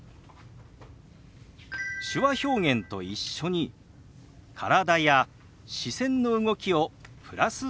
手話表現と一緒に体や視線の動きをプラスすることです。